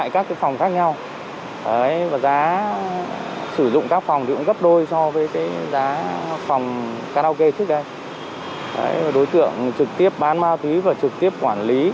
có nhu cầu